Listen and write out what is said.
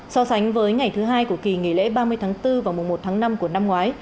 so sánh với ngày thứ hai của kỳ nghỉ lễ ba mươi tháng bốn và mùa một tháng năm của năm ngoái